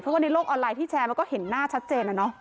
เพราะว่าในโลกออนไลน์ที่แชร์มันก็เห็นหน้าชัดเจนนะเนาะ